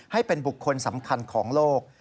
ให้เป็นบุคคลสำคัญของโลก